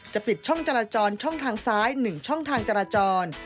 ปิดช่องจราจรช่องทางซ้าย๑ช่องทางจราจร